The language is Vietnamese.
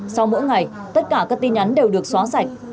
sau mỗi ngày tất cả các tin nhắn đều được xóa sạch